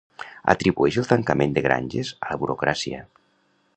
Atribueix el tancament de granges a la burocràcia.